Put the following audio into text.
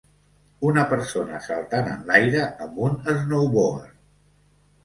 Una persona saltant enlaire amb un snowboard.